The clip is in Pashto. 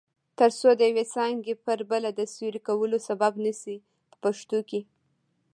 ترڅو د یوې څانګې پر بله د سیوري کولو سبب نشي په پښتو کې.